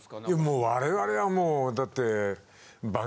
もう我々はもうだって。